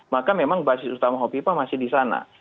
maka memang basis utama hovipa masih di sana